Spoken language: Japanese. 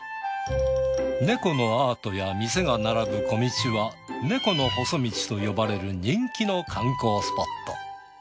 猫のアートや店が並ぶ小道は猫の細道と呼ばれる人気の観光スポット。